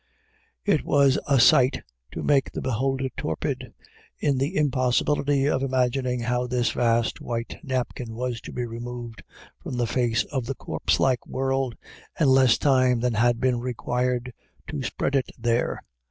It was a sight to make the beholder torpid, in the impossibility of imagining how this vast white napkin was to be removed from the face of the corpse like world in less time than had been required to spread it there.